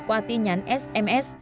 qua tin nhắn sms